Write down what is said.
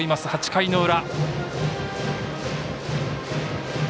８回の裏。